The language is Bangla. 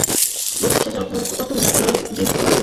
বৈঠক শেষে অর্থমন্ত্রী কোনো ব্রিফ করেননি।